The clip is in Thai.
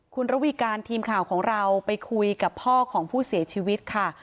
คุณระวีการทีมข่าวของเราไปคุยกับพ่อของผู้เสียชีวิตค่ะ